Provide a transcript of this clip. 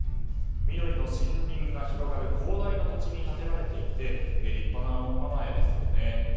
緑の森林が広がる広大な土地に立てられていて立派な門構えですよね。